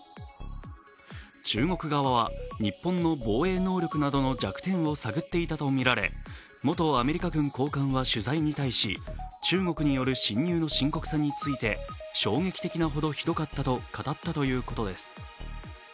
中国側は、日本の防衛能力などの弱点を探っていたとみられ、元アメリカ軍高官は取材に対し中国による侵入の深刻さについて衝撃的なほどひどかったと語ったということです。